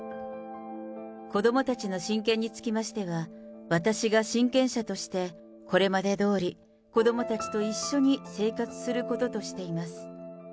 子どもたちの親権につきましては、私が親権者として、これまでどおり、子どもたちと一緒に生活することとしています。